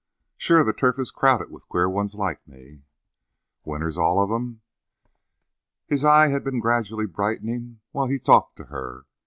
"Sure, the turf is crowded with queer ones like me." "Winners, all of 'em?" His eye had been gradually brightening while he talked to her.